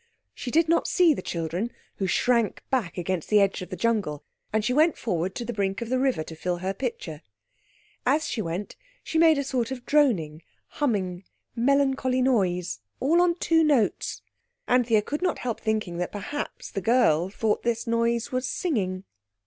She did not see the children, who shrank back against the edge of the jungle, and she went forward to the brink of the river to fill her pitcher. As she went she made a strange sort of droning, humming, melancholy noise all on two notes. Anthea could not help thinking that perhaps the girl thought this noise was singing.